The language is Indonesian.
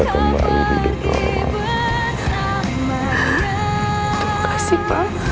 terima kasih pak